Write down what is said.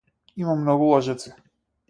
Има многу лажици.